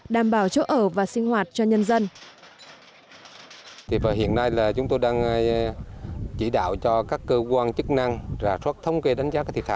đảm bảo chỗ ở và sinh hoạt cho nhân dân